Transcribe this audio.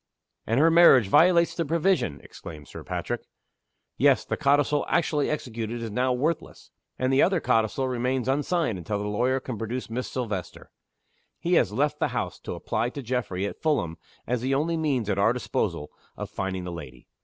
"And her marriage violates the provision!" exclaimed Sir Patrick. "Yes. The codicil actually executed is now worthless. And the other codicil remains unsigned until the lawyer can produce Miss Silvester. He has left the house to apply to Geoffrey at Fulham, as the only means at our disposal of finding the lady.